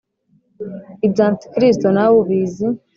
Ibya Antikristo nawe ubizi